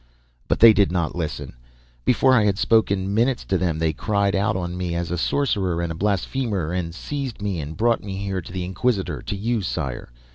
"But they did not listen. Before I had spoken minutes to them they cried out on me as a sorcerer and a blasphemer, and seized me and brought me here to the Inquisitor, to you, sire.